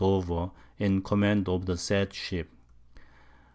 Dover _in Command of the said Ship.